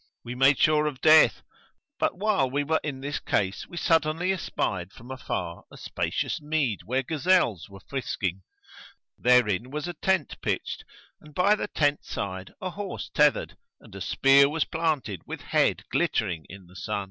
We made sure of death; but while we were in this case we suddenly espied from afar a spacious mead where gazelles were frisking Therein was a tent pitched and by the tent side a horse tethered and a spear was planted with head glittering in the sun.